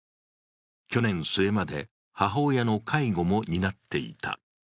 去年末まで母親の介護も担っていた。